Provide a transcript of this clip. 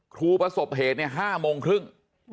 ครูประสบเหตุเนี่ย๕โมงครึ่ง